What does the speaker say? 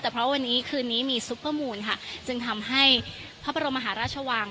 แต่เพราะวันนี้คืนนี้มีซุปเปอร์มูลค่ะจึงทำให้พระบรมมหาราชวัง